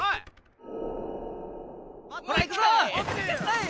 おい。